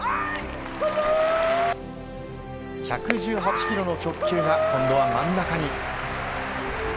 １１８キロの直球が今度は真ん中に。